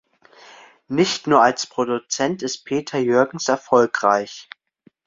Nicht nur als Produzent ist Peter Jürgens erfolgreich.